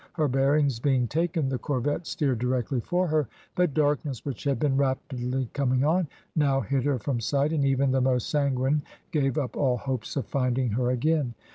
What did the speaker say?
Her bearings being taken, the corvette steered directly for her, but darkness, which had been rapidly coming on, now hid her from sight, and even the most sanguine gave up all hopes of finding her again.